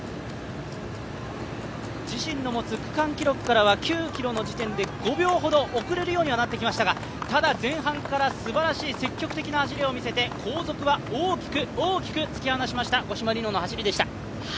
自身の持つ区間記録からは９ｋｍの地点で５秒ほど遅れるようにはなってきましたが、ただ、前半からすばらしい積極的な走りを見せて後続は大きく突き放しました五島莉乃の走りでした。